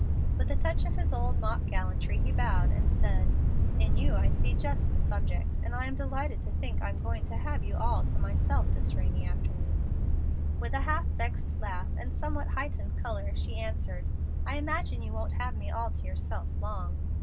With a touch of his old mock gallantry he bowed and said, "In you I see just the subject, and am delighted to think I'm going to have you all to myself this rainy afternoon." With a half vexed laugh and somewhat heightened color she answered, "I imagine you won't have me all to yourself long."